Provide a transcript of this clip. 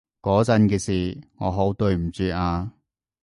嗰陣嘅事，我好對唔住啊